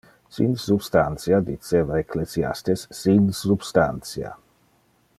Sin substantia, diceva Ecclesiastes, sin substantia!